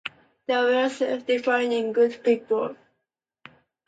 They were self-denying, good people.